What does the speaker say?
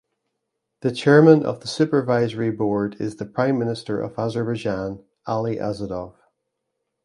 The Chairman of the Supervisory Board is the Prime Minister of Azerbaijan Ali Asadov.